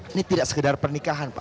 ini tidak sekedar pernikahan pak